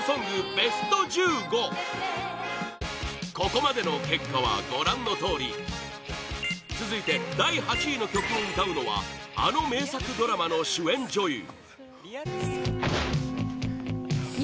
ここまでの結果はご覧のとおり続いて第８位の曲を歌うのはあの名作ドラマの主演女優